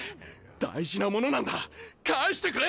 大事なものなんだ返してくれ！